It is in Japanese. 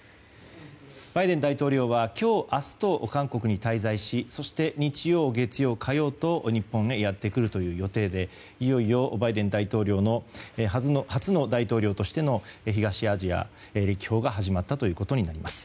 バイデン大統領は今日、明日と韓国に滞在しそして日曜、月曜、火曜と日本へやってくるという予定でいよいよバイデン大統領の初の大統領としての東アジア歴訪が始まったということになります。